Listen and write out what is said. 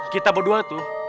kita berdua tuh